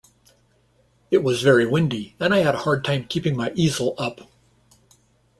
It was very windy and I had a hard time keeping my easel up.